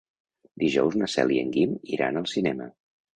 Dijous na Cel i en Guim iran al cinema.